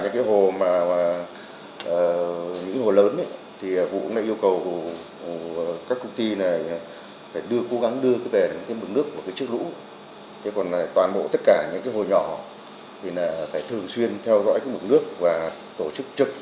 còn toàn bộ tất cả những hồ nhỏ thì phải thường xuyên theo dõi mục nước và tổ chức trực